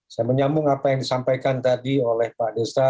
saya menyambung apa yang disampaikan tadi oleh pak desa